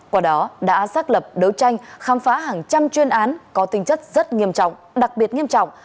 qua đó đã xác lập đấu tranh khám phá hàng trăm chuyên án có tinh chất rất nghiêm trọng đặc biệt nghiêm trọng